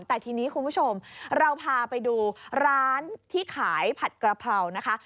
แต่ทีนี้คุณผู้ชมเราพาไปดูร้านที่ขายผัดกระเพรานะคะ